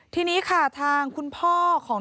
ทีนี้ค่ะทางคุณพ่อของ